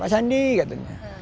pak sandi katanya